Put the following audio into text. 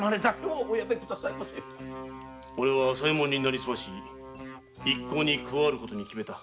おれは朝右衛門になりすまし一行に加わることに決めた。